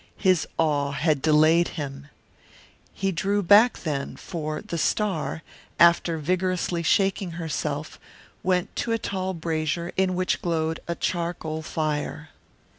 His awe had delayed him. He drew back then, for the star, after vigorously shaking herself, went to a tall brazier in which glowed a charcoal fire.